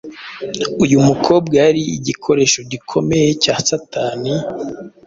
Uyu mukobwa yari igikoresho gikomeye cya Satani,